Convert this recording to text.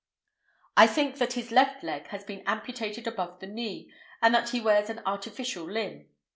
I think that his left leg has been amputated above the knee, and that he wears an artificial limb.